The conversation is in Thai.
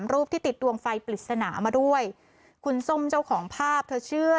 รูปที่ติดดวงไฟปริศนามาด้วยคุณส้มเจ้าของภาพเธอเชื่อ